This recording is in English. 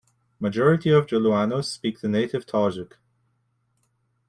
Majority of Joloanos speak the native Tausug.